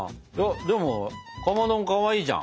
でもかまどもかわいいじゃん。